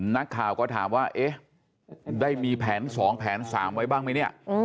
นักข่าวก็ถามว่าเอ๊ะได้มีแผน๒แผน๓ไว้บ้างไหมเนี่ย